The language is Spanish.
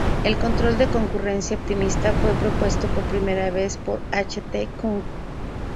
El control de concurrencia optimista fue propuesto por primera vez por H. T. Kung.